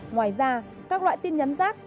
ngoài ra các loại tin nhắn rác